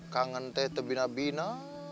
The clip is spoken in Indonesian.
rindu tapi tidak bisa